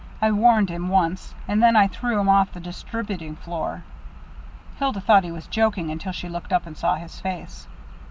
I warned him once, and then I threw him off the distributing floor." Hilda thought he was joking until she looked up and saw his face.